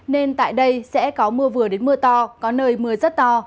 nên tại đây sẽ có mưa vừa đến mưa to có nơi mưa rất to